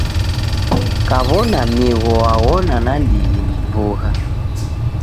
Kaw'ona migho waghona nandighi ni bugha!